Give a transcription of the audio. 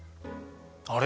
あれ？